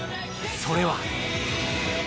それは。